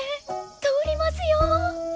通りますよ。